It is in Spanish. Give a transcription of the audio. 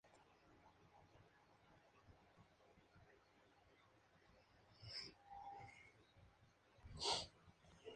Cada nodo del árbol denota una construcción que ocurre en el código fuente.